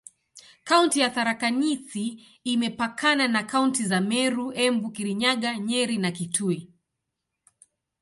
Kaunti ya Tharaka Nithi imepakana na kaunti za Meru, Embu, Kirinyaga, Nyeri na Kitui.